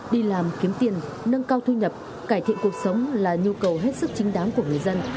đi làm kiếm tiền nâng cao thu nhập cải thiện cuộc sống là nhu cầu hết sức chính đáng của người dân